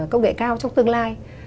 công nghệ cao trong tương lai